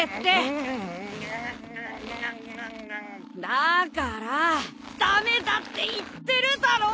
だから駄目だって言ってるだろ！